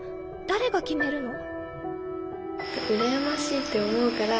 誰が決めるの？」。